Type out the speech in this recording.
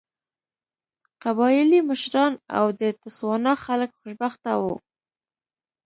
قبایلي مشران او د تسوانا خلک خوشبخته وو.